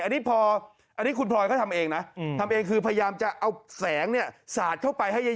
อันนี้พออันนี้คุณพลอยเขาทำเองนะทำเองคือพยายามจะเอาแสงเนี่ยสาดเข้าไปให้เยอะ